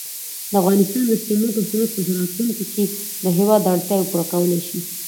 د افغانستان د سېمنټو صنعت په راتلونکي کې د هېواد اړتیاوې پوره کولای شي.